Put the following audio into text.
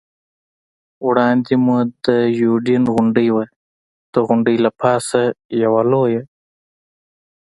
وړاندې مو د یوډین غونډۍ وه، د غونډۍ له پاسه یوه لویه.